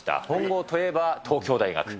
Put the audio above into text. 本郷といえば東京大学。